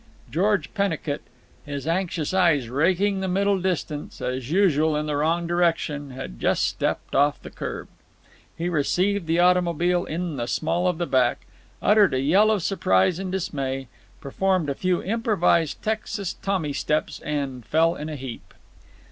George Pennicut, his anxious eyes raking the middle distance—as usual, in the wrong direction—had just stepped off the kerb. He received the automobile in the small of the back, uttered a yell of surprise and dismay, performed a few improvised Texas Tommy steps, and fell in a heap.